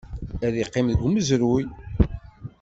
Ad yeqqim deg umezruy.